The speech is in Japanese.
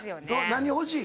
何欲しい？